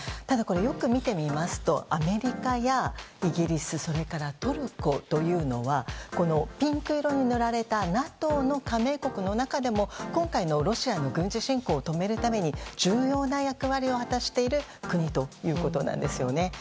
ただ、これよく見てみますとアメリカやイギリスそれからトルコとというのはピンク色に塗られたＮＡＴＯの加盟国の中でも今回のロシアの軍事侵攻を止めるために重要な役割を果たしている国ということです。